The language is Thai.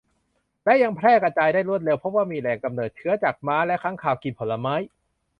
และยังแพร่กระจายได้รวดเร็ว พบว่ามีแหล่งกำเนิดเชื้อจากม้าและค้างคาวกินผลไม้